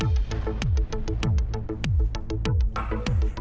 บุคคลใหณภิกษาหุ้นฐา